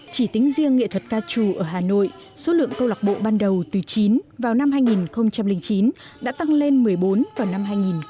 chỉ tính riêng nghệ thuật ca trù ở hà nội số lượng câu lạc bộ ban đầu từ chín vào năm hai nghìn chín đã tăng lên một mươi bốn vào năm hai nghìn một mươi